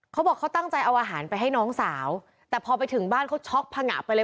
เขาบอกเขาตั้งใจเอาอาหารไปให้น้องสาวแต่พอไปถึงบ้านเขาช็อกผงะไปเลย